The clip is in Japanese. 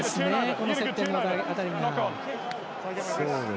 この接点の辺りが。